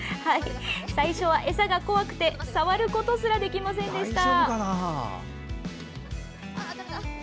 最初は餌が怖くて触ることすらできませんでした。